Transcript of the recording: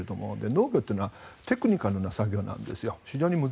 農業はかなりテクニカルな作業なんです。